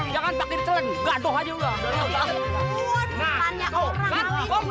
yang burang dimakan tuh rambo